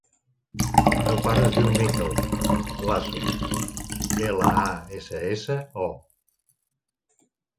El meu pare es diu Mikel Lasso: ela, a, essa, essa, o.